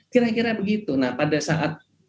kira kira begitu nah pada saat